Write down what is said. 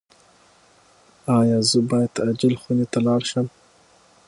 ایا زه باید عاجل خونې ته لاړ شم؟